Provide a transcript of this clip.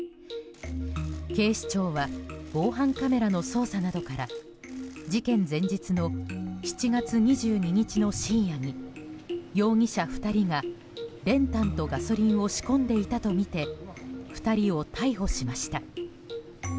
警視庁は防犯カメラの捜査などから事件前日の７月２２日の深夜に容疑者２人が練炭とガソリンを仕込んでいたとみて２人を逮捕しました。